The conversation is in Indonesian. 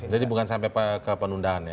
jadi bukan sampai ke penundaan ya